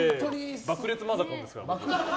爆裂マザコンですからね。